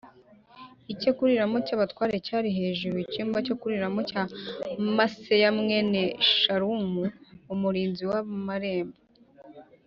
icyo kuriramo cy abatware cyari hejuru y icyumba cyo kuriramo cya Maseya mwene Shalumu umurinzi w amarembo